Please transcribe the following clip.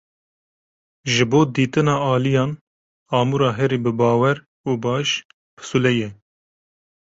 Ji bo dîtina aliyan, amûra herî bibawer û baş, pisûle ye.